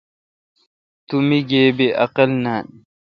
تو مے°گیبی عقل نان۔